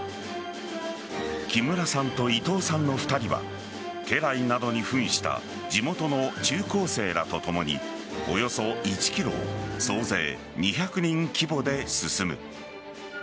木村さんと伊藤さんの２人は家来などに扮した地元の中高生らとともにおよそ１ｋｍを総勢２００人規模で進む。